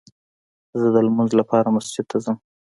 زه دلمونځ لپاره مسجد ته ځم